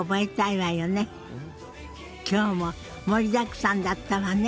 今日も盛りだくさんだったわね。